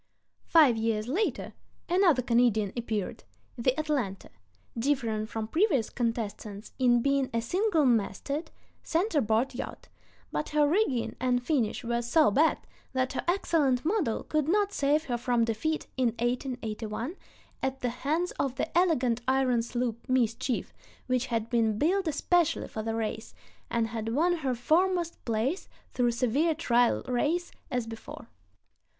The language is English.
Five years later another Canadian appeared, the Atalanta, differing from previous contestants in being a single masted center board yacht; but her rigging and finish were so bad that her excellent model could not save her from defeat (1881) at the hands of the elegant iron sloop Mischief which had been built especially for the race, and had won her foremost place through severe trial races, as before.